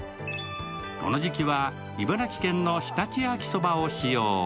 この時期は茨城県の常陸秋そばを使用。